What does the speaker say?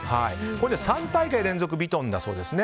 ３大会連続ヴィトンだそうです。